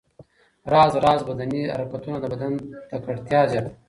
راز راز بدني حرکتونه د بدن تکړتیا زیاتوي.